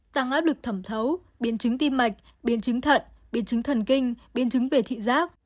tăng áp lực thẩm thấu biến chứng tim mạch biến chứng thận biến chứng thần kinh biến chứng về thị giác